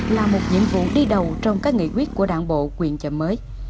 là một nhiệm vụ đi đầu trong các nghị quyết của đảng bộ quyện chợ mới